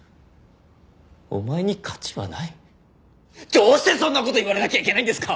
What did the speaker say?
「お前に価値はない」？どうしてそんな事言われなきゃいけないんですか！